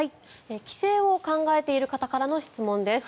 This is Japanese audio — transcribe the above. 帰省を考えている方からの質問です。